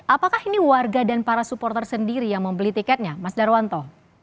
apakah ini warga dan para supporter sendiri yang membeli tiketnya mas darwanto